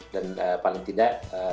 dan paling tidak